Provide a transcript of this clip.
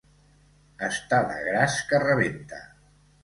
Està de gras que rebenta.